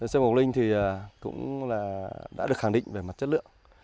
sân mộc linh cũng đã được khẳng định về mặt chất lượng